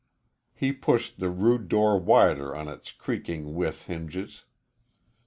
He pushed the rude door wider on its creaking withe hinges.